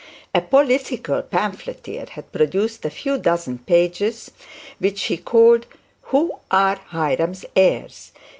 A political pamphleteer had produced a few dozen pages, which he called 'Who are Hiram's heirs?'